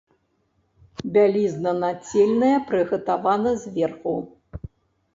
Бялізна нацельная прыгатавана зверху.